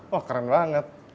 wah keren banget